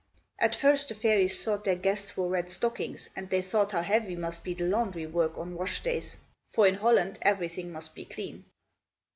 At first the fairies thought their guests wore red stockings and they thought how heavy must be the laundry work on wash days; for in Holland, everything must be clean.